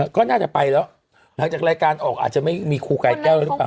ก็น่าจะไปแล้วหลังจากรายการออกอาจจะไม่มีครูกายแก้วแล้วหรือเปล่า